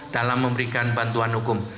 dalam memberikan bantuan hukum